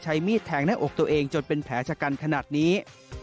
มีดแทงหน้าอกตัวเองจนเป็นแผลชะกันขนาดนี้